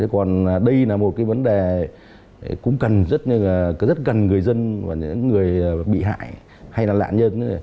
còn đây là một vấn đề cũng rất cần người dân người bị hại hay là lạ nhân